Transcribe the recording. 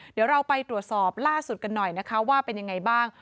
เดี๋ยวเราไปตรวจสอบล่าสุดกันหน่อยนะคะว่าเป็นยังไงบ้าง